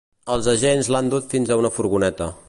Els agents l’han dut fins a una furgoneta.